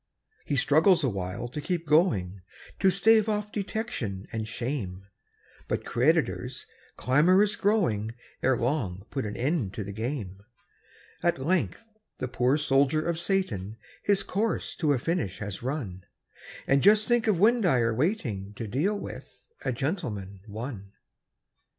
He struggles awhile to keep going, To stave off detection and shame; But creditors, clamorous growing, Ere long put an end to the game. At length the poor soldier of Satan His course to a finish has run And just think of Windeyer waiting To deal with "A Gentleman, One"!